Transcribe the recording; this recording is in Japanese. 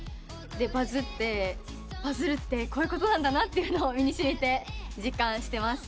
でバズって。バズるってこういうことなんだなと身に染みて実感してます。